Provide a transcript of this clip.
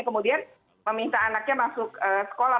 kemudian meminta anaknya masuk sekolah